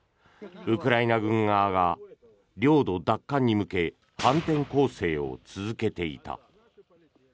ウクライナ軍側が領土奪還に向け反転攻勢を続けていた。